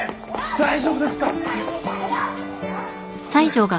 大丈夫ですか？